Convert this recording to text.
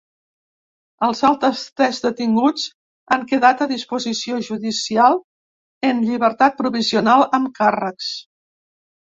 Els altres tres detinguts han quedat a disposició judicial, en llibertat provisional amb càrrecs.